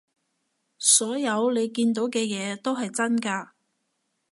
所有你見到嘅嘢都係真㗎